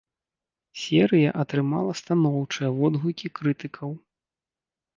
Серыя атрымала станоўчыя водгукі крытыкаў.